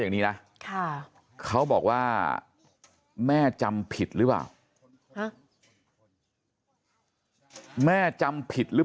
อย่างนี้นะเขาบอกว่าแม่จำผิดหรือเปล่าแม่จำผิดหรือ